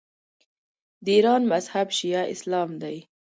د ایران مذهب شیعه اسلام دی.